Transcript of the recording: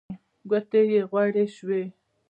ګوتې يې غوړې شوې.